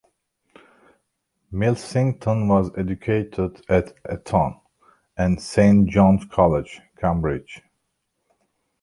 Milsington was educated at Eton and Saint John's College, Cambridge.